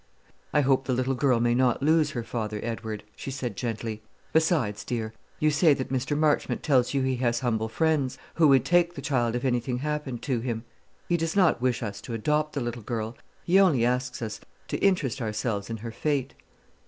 "I hope the little girl may not lose her father, Edward," she said gently. "Besides, dear, you say that Mr. Marchmont tells you he has humble friends, who would take the child if anything happened to him. He does not wish us to adopt the little girl; he only asks us to interest ourselves in her fate."